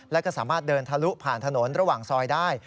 และก็สามารถเดินทะลุผ่านถนนระหว่างซอยได้